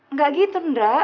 nggak gitu andra